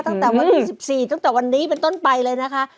ตั้งแต่วันที่๑๔ตั้งแต่วันนี้เป็นต้นไปเลยนะคะ